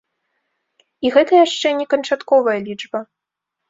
І гэта яшчэ не канчатковая лічба.